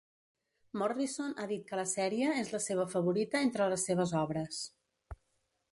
Morrison ha dit que la sèrie és la seva favorita entre les seves obres.